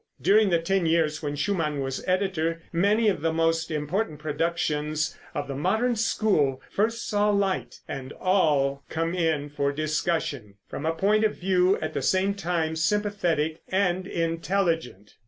During the ten years when Schumann was editor, many of the most important productions of the modern school first saw the light, and all come in for discussion, from a point of view at the same time sympathetic and intelligent.